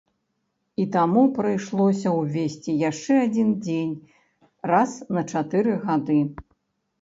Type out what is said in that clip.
І таму прыйшлося ўвесці яшчэ адзін дзень раз на чатыры гады.